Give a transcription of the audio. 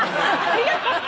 ありがとう。